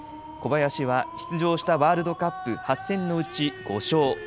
小林は出場したワールドカップ８戦のうち５勝。